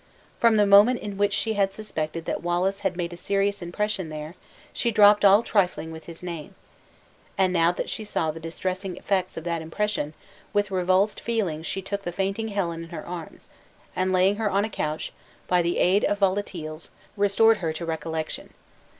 From the moment in which she had suspected that Wallace had made a serious impression there, she dropped all trifling with his name. And now that she saw the distressing effects of that impression, with revulsed feelings she took the fainting Helen in her arms, and laying her on a couch, by the aid of volatiles restored her to recollection.